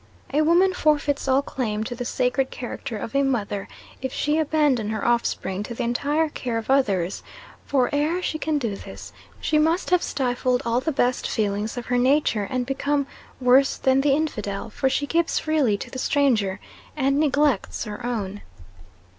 A woman forfeits all claim to the sacred character of a mother if she abandon her offspring to the entire care of others: for ere she can do this, she must have stifled all the best feelings of her nature, and become "worse than the infidel" for she gives freely to the stranger, and neglects her own.